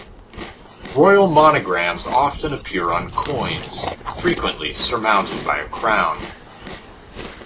Royal monograms often appear on coins, frequently surmounted by a crown.